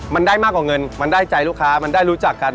มันได้มากกว่าเงินมันได้ใจลูกค้ามันได้รู้จักกัน